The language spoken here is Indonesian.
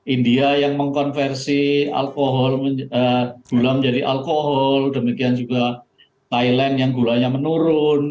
india yang mengkonversi alkohol gula menjadi alkohol demikian juga thailand yang gulanya menurun